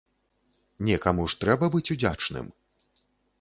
Некаму ж трэба быць удзячным.